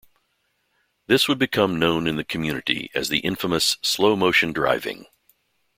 This would become known in the community as the infamous "slow-motion driving".